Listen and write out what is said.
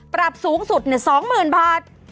ปรับสูงสุดเนี่ย๒๐๐๐๐บาท